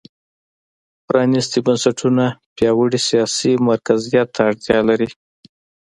پرانېستي بنسټونه پیاوړي سیاسي مرکزیت ته اړتیا لري.